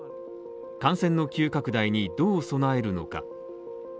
感染の急拡大にどう備えるのか。